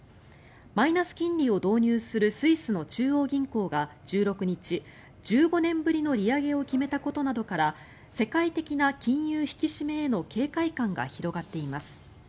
マイナス金利を導入するスイスの中央銀行が１６日１５年ぶりの利上げを決めたことなどから世界的な金融引き締めへの警戒感が広がっています。